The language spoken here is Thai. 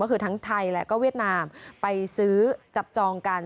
ก็คือทั้งไทยและก็เวียดนามไปซื้อจับจองกัน